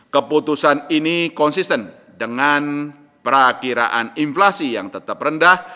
keputusan ini konsisten dengan perakiraan inflasi yang tetap rendah